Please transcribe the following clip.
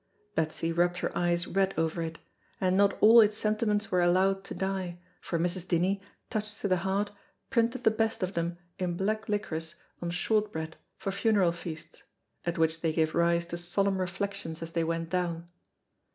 Betsy rubbed her eyes red over it, and not all its sentiments were allowed to die, for Mrs. Dinnie, touched to the heart, printed the best of them in black licorice on short bread for funeral feasts, at which they gave rise to solemn reflections as they went down.